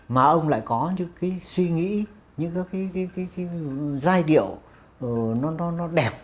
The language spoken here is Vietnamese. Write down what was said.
mà ông lại có những cái suy nghĩ những cái giai điệu nó đẹp